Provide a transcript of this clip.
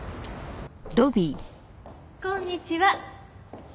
こんにちは。